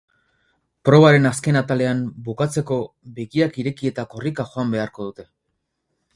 Probaren azken atalean, bukatzeko, begiak ireki eta korrika joan beharko dute.